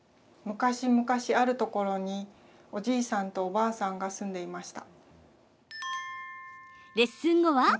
昔々あるところにおじいさんとおばあさんが住んでいました。